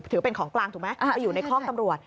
ถือเป็นของกลางถูกไหมไปอยู่ในคล่องตำรวจ